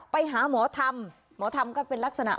ไปหาหมอทำหมอทำก็เป็นลักษณะ